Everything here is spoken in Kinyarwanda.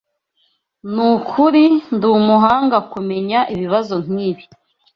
Nukuri ndumuhanga kumenya ibibazo nkibi.